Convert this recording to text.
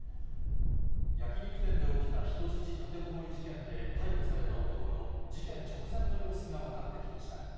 焼き肉店で起きた人質立てこもり事件で、逮捕された男の事件直前の様子が分かってきました。